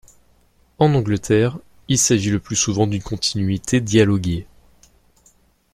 En Angleterre, il s'agit le plus souvent d'une continuité dialoguée.